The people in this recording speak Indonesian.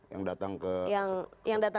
yang datang ke istana